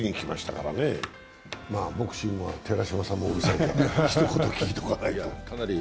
ボクシングは寺島さんもうるさいから、一言聞いておかなきゃ。